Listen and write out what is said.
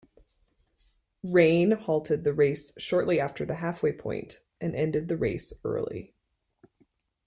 Rain halted the race shortly after the halfway point, and ended the race early.